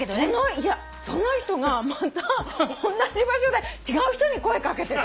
いやその人がまたおんなじ場所で違う人に声掛けてた。